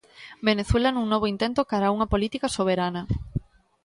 'Venezuela nun novo intento cara a unha política soberana'.